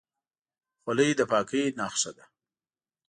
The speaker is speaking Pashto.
خولۍ د پاکۍ نښه ده.